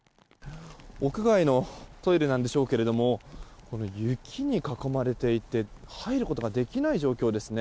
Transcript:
屋外のトイレなんでしょうけども雪に囲まれていて入ることができない状況ですね。